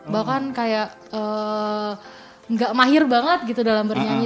bahkan kayak gak mahir banget gitu dalam bernyanyi